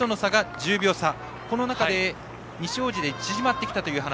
この中で西大路で縮まってきたという話。